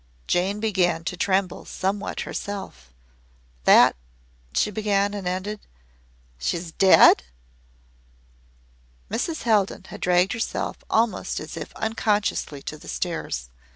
Jane began to tremble somewhat herself. "That ?" she began and ended: "She is DEAD?" Mrs. Haldon had dragged herself almost as if unconsciously to the stairs.